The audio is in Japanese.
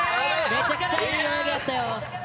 めちゃくちゃいい泳ぎだったよ。